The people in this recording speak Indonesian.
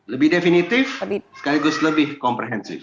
lebih definitif sekaligus lebih komprehensif